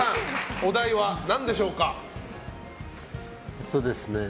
お題は何でしょうか。